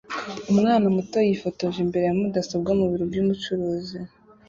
Umwana muto yifotoje imbere ya mudasobwa ku biro byubucuruzi